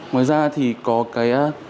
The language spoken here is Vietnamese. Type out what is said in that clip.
ngoài ra thì có cái